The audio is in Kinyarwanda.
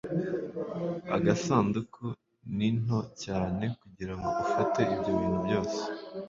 agasanduku ni nto cyane kugirango ufate ibyo bintu byose